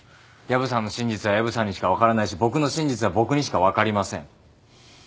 薮さんの真実は薮さんにしか分からないし僕の真実は僕にしか分かりません。